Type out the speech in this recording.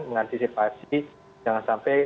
mengantisipasi jangan sampai